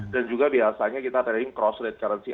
dan juga biasanya kita trading cross rate currency